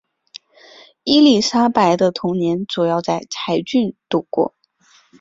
伊丽莎白的童年主要在柴郡度过。